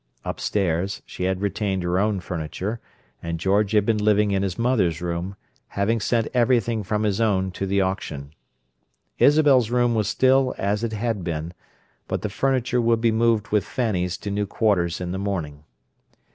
Upstairs, she had retained her own furniture, and George had been living in his mother's room, having sent everything from his own to the auction. Isabel's room was still as it had been, but the furniture would be moved with Fanny's to new quarters in the morning.